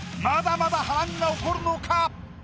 まだまだ波乱が起こるのか？